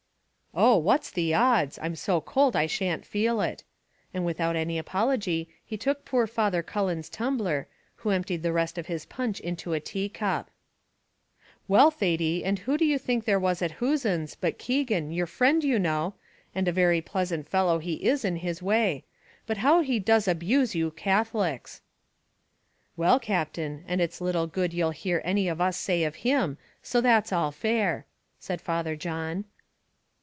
"Oh, what's the odds! I'm so cold I shan't feel it;" and without any apology, he took poor Father Cullen's tumbler, who emptied the rest of his punch into a tea cup. "Well, Thady, and who do you think there was at Hewson's, but Keegan, your friend, you know? and a very pleasant fellow he is in his way: but how he does abuse you Catholics!" "Well, Captain, and it's little good you'll hear any of us say of him, so that's all fair," said Father John.